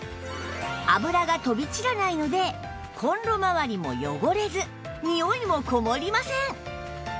油が飛び散らないのでコンロ周りも汚れずニオイもこもりません